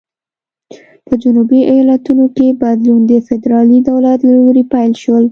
په جنوبي ایالتونو کې بدلون د فدرالي دولت له لوري پیل شول.